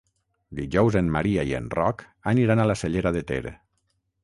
Dijous en Maria i en Roc aniran a la Cellera de Ter.